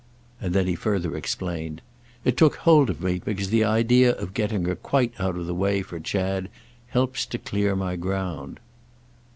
And then he further explained. "It took hold of me because the idea of getting her quite out of the way for Chad helps to clear my ground."